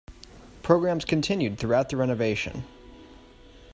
Programs continued throughout the renovation.